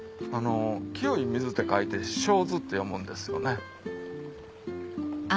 清い水って書いて清水って読むんですよね。